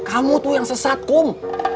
kamu tuh yang sesat kom